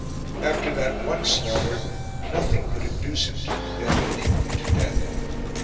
After that one slaughter, nothing could induce him to condemn anyone to death.